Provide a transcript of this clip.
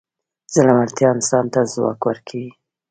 زړورتیا انسان ته ځواک ورکوي.